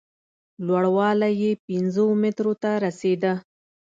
لوړوالی یې پینځو مترو ته رسېده.